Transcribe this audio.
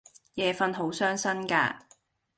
夜訓好傷身架